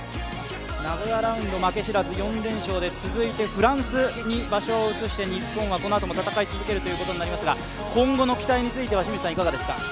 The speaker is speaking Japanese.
名古屋ラウンド負け知らず４連勝で続いてフランスに場所を移して日本はこのあとも戦い続けるということになりますが今後の期待については清水さん、いかがですか？